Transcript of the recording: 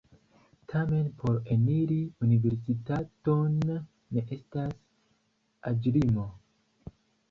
Tamen por eniri universitaton ne estas aĝlimo.